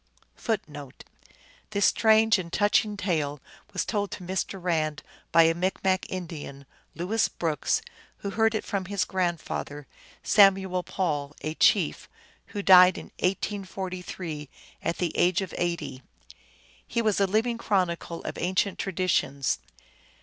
1 1 This strange and touching tale was told to Mr. Rand by a Micmac Indian, Louis Brooks, who heard it from his grandfather, Samuel Paul, a chief, who died in 1843, at the age of eighty. He was a living chronicle of ancient traditions.